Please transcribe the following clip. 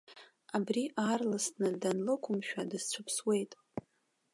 Абри аарласны ианлықәымшәа, дысцәыԥсуеит!